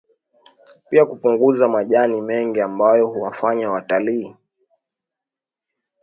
pia kupunguza majani mengi ambayo huwafanya watalii